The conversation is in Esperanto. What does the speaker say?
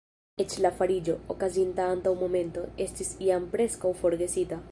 Eĉ la fariĝo, okazinta antaŭ momento, estis jam preskaŭ forgesita.